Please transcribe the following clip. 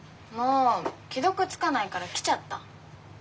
既読つかないから来ちゃった。